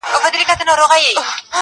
چي لیدلی یې مُلا وو په اوبو کي -